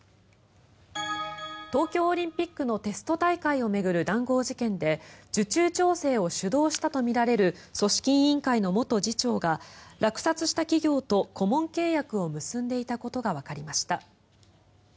東京オリンピックのテスト大会を巡る談合事件で受注調整を主導したとみられる組織委員会の元次長が落札した企業と顧問契約を結んでいたことがわかりました。